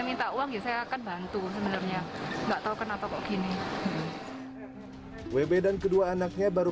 minta uang ya saya akan bantu sebenarnya enggak tahu kenapa kok gini wb dan kedua anaknya baru